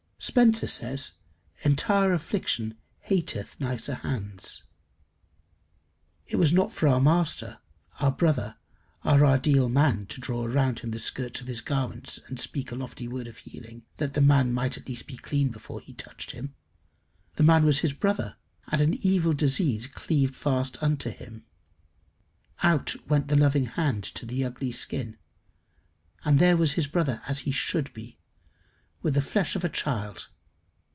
Spenser says, "Entire affection hateth nicer hands." It was not for our master, our brother, our ideal man, to draw around him the skirts of his garments and speak a lofty word of healing, that the man might at least be clean before he touched him. The man was his brother, and an evil disease cleaved fast unto him. Out went the loving hand to the ugly skin, and there was his brother as he should be with the flesh of a child.